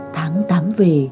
tháng tám về